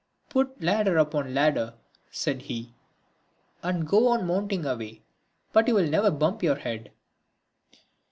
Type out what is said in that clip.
"Put ladder upon ladder," said he, "and go on mounting away, but you will never bump your head."